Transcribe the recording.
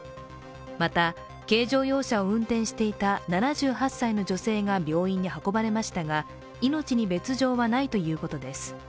また軽乗用車を運転していた７８歳の女性が病院に運ばれましたが命に別状はないということです。